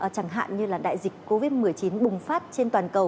chẳng hạn như là đại dịch covid một mươi chín bùng phát trên toàn cầu